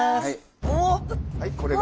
はいこれが。